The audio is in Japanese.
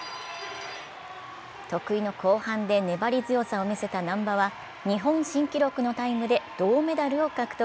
得意の後半で粘り強さを見せた難波は日本新記録のタイムで銅メダルを獲得。